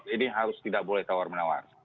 ini harus tidak boleh tawar menawar